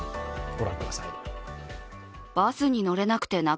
ご覧ください。